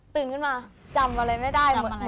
ตื่นขึ้นมาจำอะไรไม่ได้